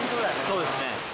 そうですね。